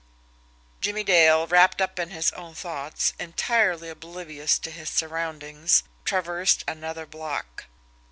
Jimmie Dale, wrapped up in his own thoughts, entirely oblivious to his surroundings, traversed another block.